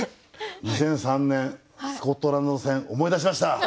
２００３年スコットランド戦思い出しました。